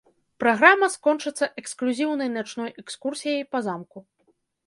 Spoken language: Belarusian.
Праграма скончыцца эксклюзіўнай начной экскурсіяй па замку.